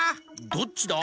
「どっちだ？」